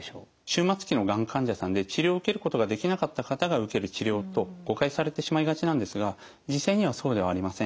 終末期のがん患者さんで治療を受けることができなかった方が受ける治療と誤解されてしまいがちなんですが実際にはそうではありません。